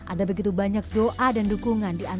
ada begitu banyak doa dan dukungan